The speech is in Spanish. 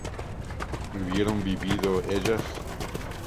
¿hubieran vivido ellas?